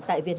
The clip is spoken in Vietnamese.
tại việt nam